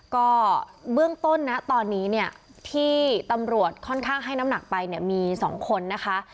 ก็เบื้องต้นนะตอนนี้เนี่ยที่ตำรวจค่อนข้างให้น้ำหนักไปเนี่ยมี๒คนนะคะ